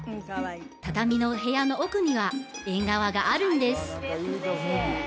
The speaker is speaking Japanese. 畳の部屋の奥には縁側があるんです